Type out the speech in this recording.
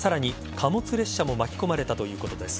貨物列車も巻き込まれたということです。